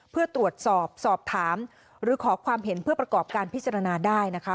เพื่อตรวจสอบสอบถามหรือขอความเห็นเพื่อประกอบการพิจารณาได้นะคะ